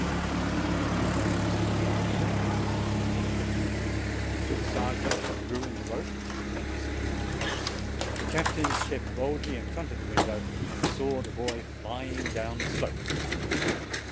In a few moments the drummer boy was on the THE SARDINIAN DRUMMER BOY 101 ground ; the sergeant drew in the rope and disappeared ; the captain stepped boldly in front of the window and saw the boy flying down the slope.